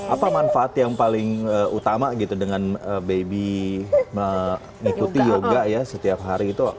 apa manfaat yang paling utama gitu dengan baby mengikuti yoga ya setiap hari itu